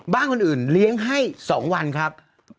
บ้านคนอื่นเลี้ยงให้๒วันครับ